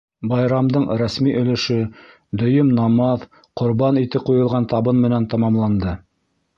Байрамдың рәсми өлөшө дөйөм намаҙ, ҡорбан ите ҡуйылған табын менән тамамланды.